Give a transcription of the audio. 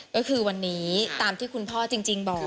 ก็คือวันนี้ตามที่คุณพ่อจริงบอก